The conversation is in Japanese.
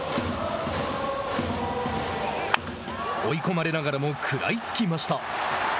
追い込まれながらも食らいつきました。